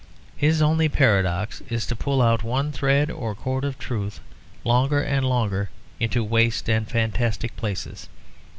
His only paradox is to pull out one thread or cord of truth longer and longer into waste and fantastic places.